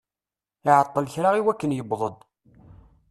Iɛeṭṭel kra i wakken yewweḍ-d.